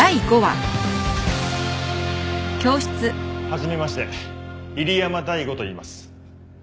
初めまして入山大吾といいます。